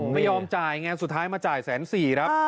ไม่ยอมจ่ายไงสุดท้ายมาจ่ายแสนสี่ครับ